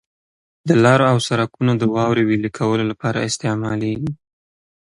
د لارو او سرکونو د واورې ویلي کولو لپاره استعمالیږي.